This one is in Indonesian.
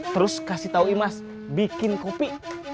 terus kasih tahu imas bikin kopi